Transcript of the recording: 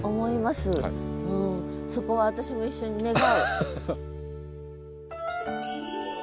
そこは私も一緒に願う。